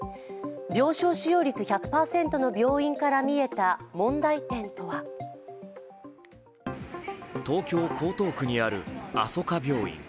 病床使用率１００％の病院から見えた問題点とは東京・江東区にあるあそか病院。